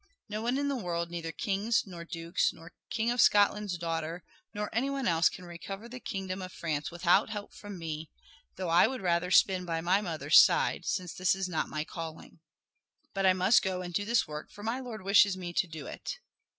No one in the world, neither kings, nor dukes, nor king of Scotland's daughter, nor any one else can recover the kingdom of France without help from me, though I would rather spin by my mother's side, since this is not my calling. But I must go and do this work, for my Lord wishes me to do it."